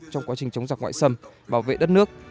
trong quá trình chống giặc ngoại xâm bảo vệ đất nước